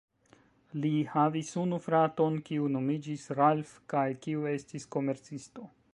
Li havis unu fraton, kiu nomiĝis Ralph kaj kiu estis komercisto.